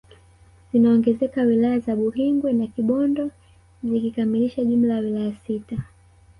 Zinaongezeka wilaya za Buhingwe na Kibondo zikikamilisha jumla ya wilaya sita